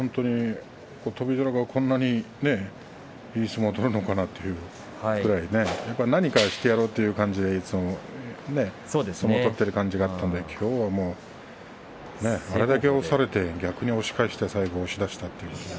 翔猿がこんなにいい相撲を取るのかなってやっぱり何かしてやろうっていつも相撲を取っている感じがあったんですがきょうは、あれだけ押されて逆に押し返して最後、押し出したというね